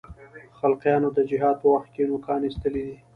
خلقیانو د جهاد په وخت کې نوکان اېستلي دي.